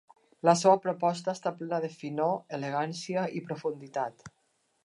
La seva proposta està plena de finor, elegància i profunditat.